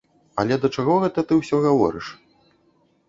Але да чаго гэта ты ўсё гаворыш?!